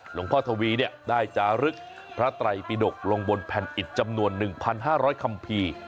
หลวงพ่อทวีเนี่ยได้จารึกพระไตรปิดกลงบนแผ่นอิตจำนวน๑๕๐๐คำพี